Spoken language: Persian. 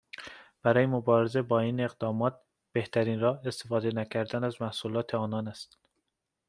برای مبارزه با این اقدامات، بهترین راه، استفاده نکردن از محصولات آنان است.